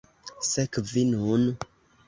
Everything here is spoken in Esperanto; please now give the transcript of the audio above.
Sekvi nun!